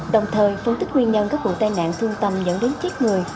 đồng thời phân tích nguyên nhân các vụ tai nạn thương tâm dẫn đến chết người